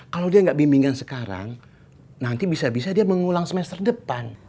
kalau dia nggak bimbingan sekarang nanti bisa bisa dia mengulang semester depan